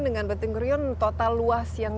dengan betul ngurion total luas yang